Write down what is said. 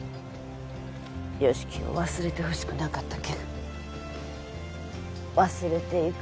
由樹を忘れてほしくなかったけん忘れていく